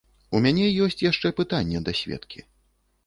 У мяне ёсць яшчэ пытанне да сведкі.